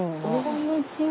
こんにちは。